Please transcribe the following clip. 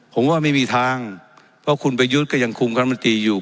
ผมว่าไม่มีทางเพราะคุณประยุทธ์ก็ยังคุมคณะมนตรีอยู่